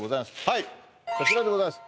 はいこちらでございます